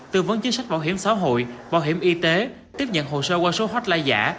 tư vấn chính sách bảo hiểm xã hội bảo hiểm y tế tiếp nhận hồ sơ qua số hotline giả